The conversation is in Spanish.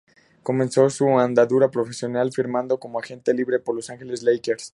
Comenzó su andadura profesional firmando como agente libre por Los Angeles Lakers.